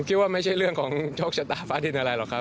ไม่ใช่ว่าไม่ใช่เรื่องของโชคชะตาฟ้าดินอะไรหรอกครับ